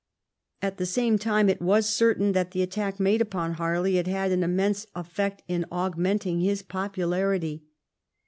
At the same time it was certain that the attack made upon Harley had had an immense effect in augmenting his popu larity.